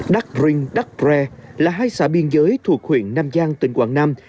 đắc rinh đắc pr là hai xã biên giới thuộc huyện nam giang tỉnh quảng nam